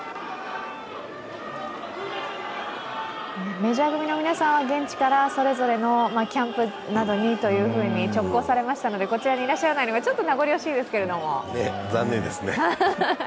メジャー組の皆さんは現地からそれぞれのキャンプに直行されましたのでこちらにいらっしゃらないのが残念ですね。